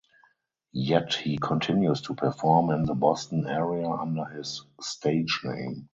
Yet he continues to perform in the Boston area under his stage name.